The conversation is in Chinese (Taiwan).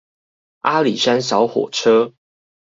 阿里山小火車